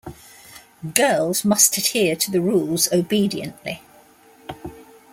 Girls must adhere to the rules obediently.